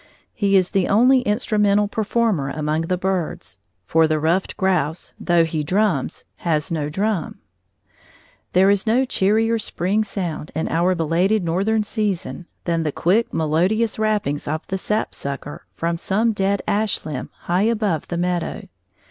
He is the only instrumental performer among the birds; for the ruffed grouse, though he drums, has no drum. There is no cheerier spring sound, in our belated Northern season, than the quick, melodious rappings of the sapsucker from some dead ash limb high above the meadow.